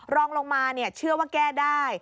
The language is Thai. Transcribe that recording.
รองลงมาเชื่อว่าแก้ได้